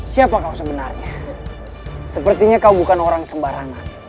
siapa kau sebenarnya sepertinya kau bukan orang sembarangan